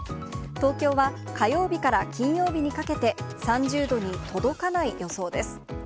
東京は火曜日から金曜日にかけて、３０度に届かない予想です。